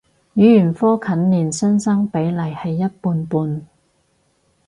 語言科近年新生比例係一半半